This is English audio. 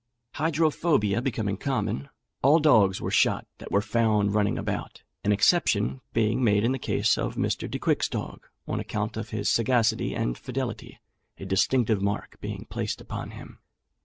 Hydrophobia becoming common, all dogs were shot that were found running about, an exception being made in the case of Mr. Decouick's dog on account of his sagacity and fidelity, a distinctive mark being placed upon him.